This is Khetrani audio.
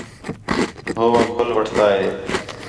ہو وا گُھل وٹھتا ہِے